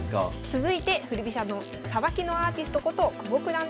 続いて振り飛車のさばきのアーティストこと久保九段でございます。